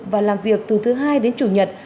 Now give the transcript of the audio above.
và làm việc từ thứ hai đến chủ nhật